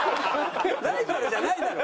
ライバルじゃないだろ！